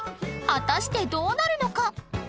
果たしてどうなるのか？